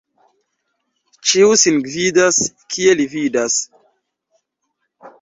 Ĉiu sin gvidas, kiel li vidas.